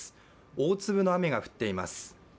大粒の雨が降っています。